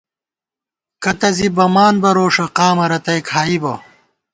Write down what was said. کتہ زی بَمان بہ روݭہ قامہ رتئی کھائیبہ